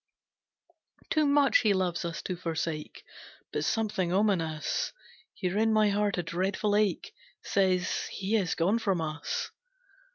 "Too much he loves us to forsake, But something ominous, Here in my heart, a dreadful ache, Says, he is gone from us.